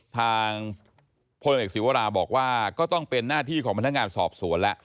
ทางพลเอกศิวราบอกว่าก็ต้องเป็นหน้าที่ของพนักงานสอบสวนแล้ว